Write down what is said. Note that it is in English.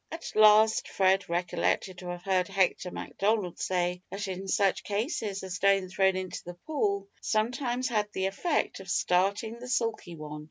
At last Fred recollected to have heard Hector Macdonald say that in such cases a stone thrown into the pool sometimes had the effect of starting the sulky one.